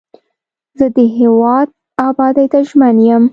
زه د هیواد ابادۍ ته ژمن یم.